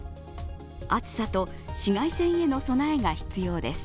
暑さと紫外線への備えが必要です。